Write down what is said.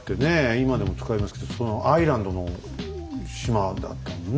今でも使いますけどそのアイランドの「島」だったんだね。